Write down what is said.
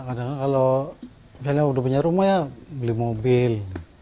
iya kadang kadang kalau ada yang udah punya rumah ya beli mobil